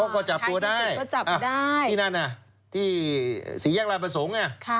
ก็จับตัวได้ที่นั่นอ่ะที่ศรีแยกราบประสงค์อ่ะ